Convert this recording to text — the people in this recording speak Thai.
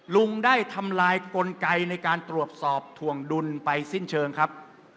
ลุงได้ทำลายกลไกในการตรวจสอบถวงดุลไปสิ้นเชิงครับ